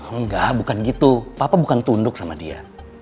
enggak bukan gitu papa bukan tunduk sama dia